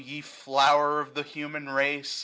Ye flower of human race !